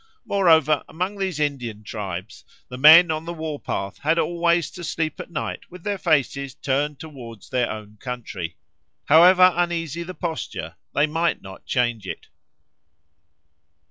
Moreover among these Indian tribes the men on the war path had always to sleep at night with their faces turned towards their own country; however uneasy the posture, they might not change it.